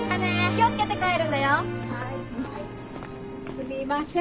すみません。